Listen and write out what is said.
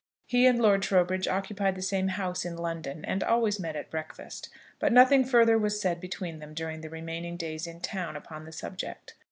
He and Lord Trowbridge occupied the same house in London, and always met at breakfast; but nothing further was said between them during the remaining days in town upon the subject.